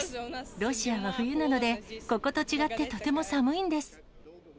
ロシアは冬なので、ここと違ってとても寒いんです。